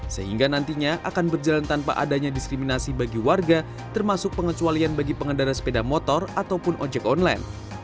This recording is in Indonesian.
sehingga nantinya akan berjalan tanpa adanya diskriminasi bagi warga termasuk pengecualian bagi pengendara sepeda motor ataupun ojek online